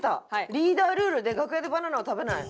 「リーダールールで楽屋でバナナを食べない」